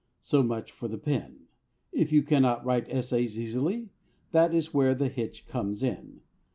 So much for the pen. If you cannot write essays easily, that is where the hitch comes in.